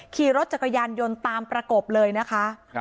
ขี่รถจักรยานยนต์ตามประกบเลยนะคะ